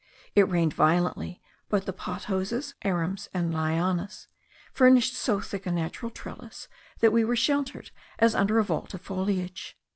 It rained violently, but the pothoses, arums, and lianas, furnished so thick a natural trellis, that we were sheltered as under a vault of foliage.